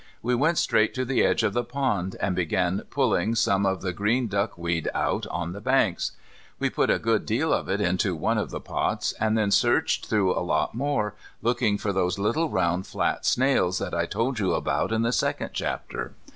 We went straight to the edge of the pond and began pulling some of the green duckweed out on the banks. We put a good deal of it into one of the pots, and then searched through a lot more, looking for those little round flat snails that I told about in the second chapter.